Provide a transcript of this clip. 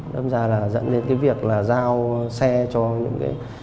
đâm ra là dẫn đến cái việc là giao xe cho những cái